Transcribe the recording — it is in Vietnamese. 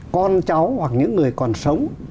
con cháu hoặc những người còn sống